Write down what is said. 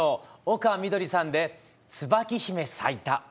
丘みどりさんで「椿姫咲いた」。